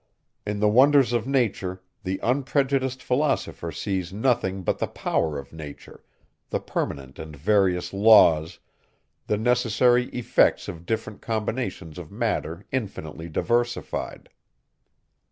In the wonders of nature, the unprejudiced philosopher sees nothing but the power of nature, the permanent and various laws, the necessary effects of different combinations of matter infinitely diversified.